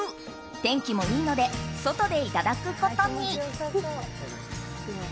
天気もいいので外でいただくことに。